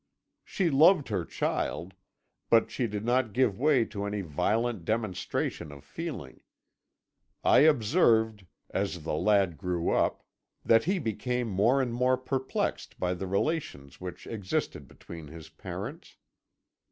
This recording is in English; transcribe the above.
"She loved her child, but she did not give way to any violent demonstration of feeling. I observed, as the lad grew up, that he became more and more perplexed by the relations which existed between his parents.